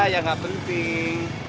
ya gak penting